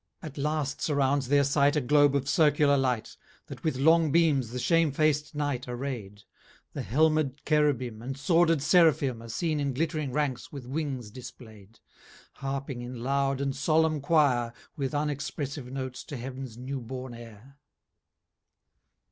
XI At last surrounds their sight A globe of circular light, 110 That with long beams the shame faced night arrayed The helmed Cherubim And sworded Seraphim, Are seen in glittering ranks with wings displaid, Harping in loud and solemn quire, With unexpressive notes to Heav'ns new born Heir.